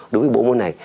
đối với bộ môn này